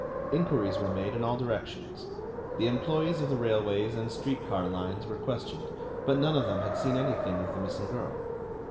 Inquiries were made in all directions; the employees of the railways and street car lines were questioned, but none of them had seen anything of the missing girl.